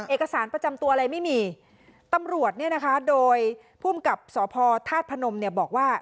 เอกสารประจำตัวอะไรไม่มีตำรวจเนี่ยนะคะโดยภูมิกับสพธาตุพนมเนี่ยบอกว่า